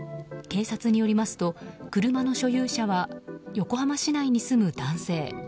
警察によりますと車の所有者は横浜市内に住む男性。